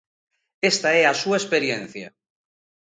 Esta é a súa experiencia...